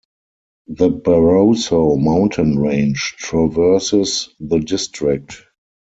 The Barroso mountain range traverses the district.